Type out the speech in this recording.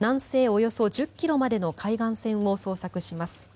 およそ１０ｋｍまでの海岸線を捜索します。